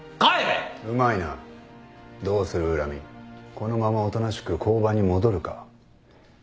このままおとなしく交番に戻るか？